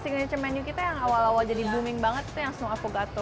signature menu kita yang awal awal jadi booming banget itu yang snow avocado